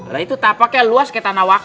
nah itu tapaknya luas kayak tanah wakaf